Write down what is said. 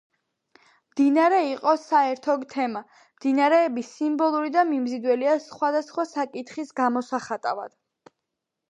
მდინარე იყო საერთო თემა: მდინარეები სიმბოლური და მიმზიდველია სხვადასხვა საკითხის გამოსახატავად.